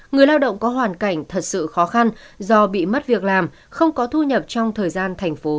người lao động có hoàn cảnh thật sự khó khăn do bị mất việc làm không có thu nhập trong thời gian thành phố